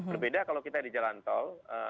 berbeda kalau kita di jalan tol